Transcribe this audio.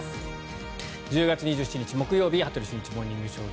１０月２７日、木曜日「羽鳥慎一モーニングショー」。